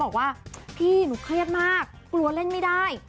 บอกว่าพี่หนูเครียดมากกลัวเล่นไม่ได้